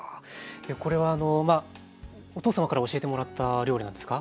これはお父様から教えてもらった料理なんですか？